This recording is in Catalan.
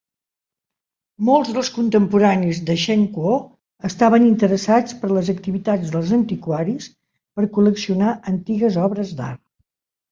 Molts dels contemporanis de Shen Kuo estaven interessats per les activitats dels antiquaris per col·leccionar antigues obres d'art.